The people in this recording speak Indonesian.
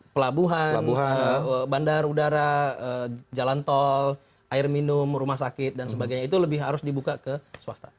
pelabuhan bandar udara jalan tol air minum rumah sakit dan sebagainya itu lebih harus dibuka ke swasta